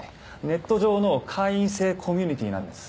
ネット上の会員制コミュニティーなんです。